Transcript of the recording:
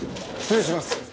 失礼します。